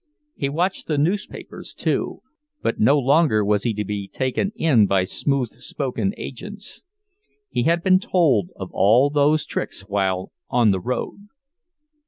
He watched the newspapers, too—but no longer was he to be taken in by smooth spoken agents. He had been told of all those tricks while "on the road."